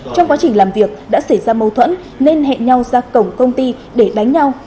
trong quá trình làm việc đã xảy ra mâu thuẫn nên hẹn nhau ra cổng công ty để đánh nhau